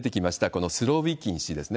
このスロビキン氏ですね。